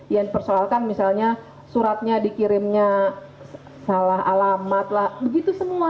yang dipersoalkan misalnya suratnya dikirimnya salah alamat lah begitu semua